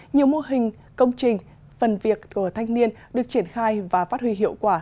nhiều mô hình công trình phần việc của thanh niên được triển khai và phát huy hiệu quả